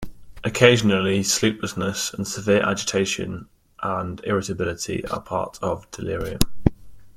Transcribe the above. Occasionally sleeplessness and severe agitation and irritability are part of delirium.